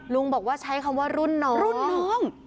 ลุงบอกว่าใช้คำว่ารุ่นน้อง